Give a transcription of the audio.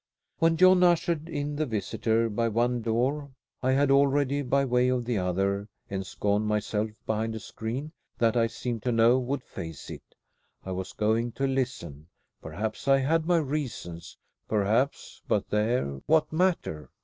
When John ushered in the visitor by one door I had already, by way of the other, ensconced myself behind a screen, that I seemed to know would face it. I was going to listen. Perhaps I had my reasons. Perhaps but there, what matter?